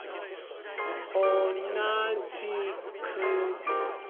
おなじく。